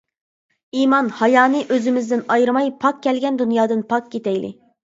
ئىمان، ھايانى ئۆزىمىزدىن ئايرىماي، پاك كەلگەن دۇنيادىن پاك كېتەيلى.